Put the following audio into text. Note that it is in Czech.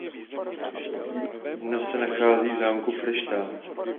Dnes se nachází v zámku Fryštát.